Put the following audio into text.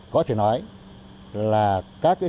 có thể nói là các thế hệ này